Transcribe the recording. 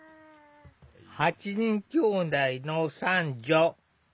８人きょうだいの三女。